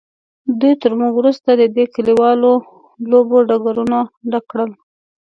دوی تر موږ وروسته د دې کلیوالو لوبو ډګرونه ډک کړل.